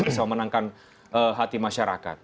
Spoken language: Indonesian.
bisa memenangkan hati masyarakat